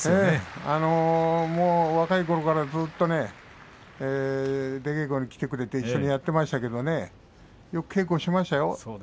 ええ、もう若いころから出稽古に来てくれて一緒にやっていましたけれどもよく稽古しましたよ。